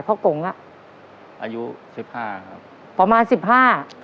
กงอ่ะอายุสิบห้าครับประมาณสิบห้า